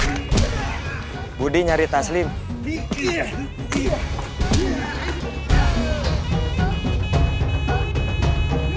kamu tulis dengan relaks satu satunya deposit gratis